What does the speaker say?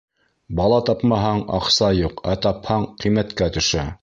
Бала тапмаһаң — аҡса юҡ, ә тапһаң — ҡиммәткә төшә.